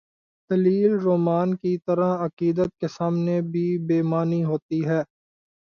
دلیل رومان کی طرح، عقیدت کے سامنے بھی بے معنی ہو تی ہے۔